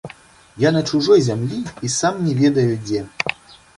Я на чужой зямлi i сам не ведаю дзе.